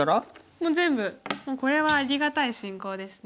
もう全部これはありがたい進行ですね